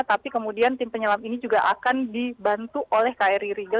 tapi kemudian tim penyelam ini juga akan dibantu oleh kri rigel